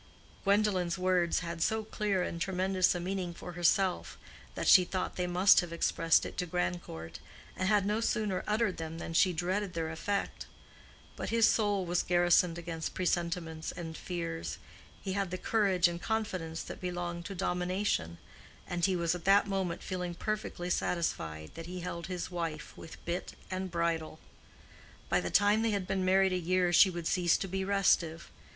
Gwendolen's words had so clear and tremendous a meaning for herself that she thought they must have expressed it to Grandcourt, and had no sooner uttered them than she dreaded their effect. But his soul was garrisoned against presentiments and fears: he had the courage and confidence that belong to domination, and he was at that moment feeling perfectly satisfied that he held his wife with bit and bridle. By the time they had been married a year she would cease to be restive.